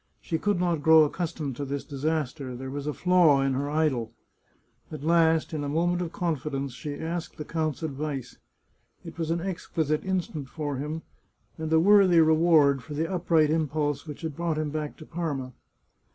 She could not grow accustomed to this disaster; there was a flaw in her idol. At last, in a moment of confidence, she asked the count's advice. It was an exquisite instant for him, and a worthy reward for the upright impulse which had brought him back to Parma.